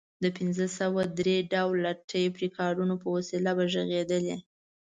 د پنځه سوه درې ډوله ټیپ ریکارډر په وسیله به غږېدلې.